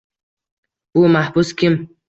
Bu mahbus kim?